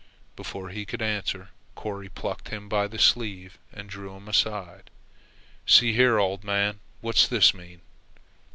Before he could answer, Corry plucked him by the sleeve and drew him aside. "See here, old man, what's this mean?"